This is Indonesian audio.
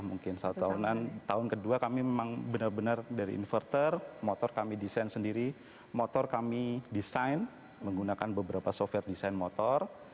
mungkin satu tahunan tahun kedua kami memang benar benar dari inverter motor kami desain sendiri motor kami desain menggunakan beberapa software desain motor